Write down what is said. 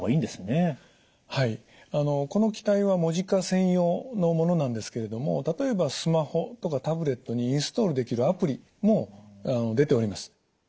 専用のものなんですけれども例えばスマホとかタブレットにインストールできるアプリも出ております。